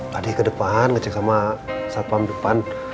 tadi ke depan ngecek sama satpam depan